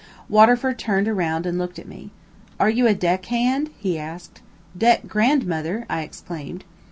Waterford turned around and looked at me. "Are you a deck hand?" he asked. "Deck grandmother!" I exclaimed.